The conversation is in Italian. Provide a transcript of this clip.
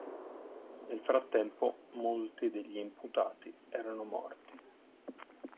Nel frattempo, molti degli imputati erano morti.